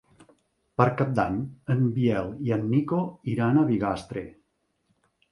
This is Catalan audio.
Per Cap d'Any en Biel i en Nico iran a Bigastre.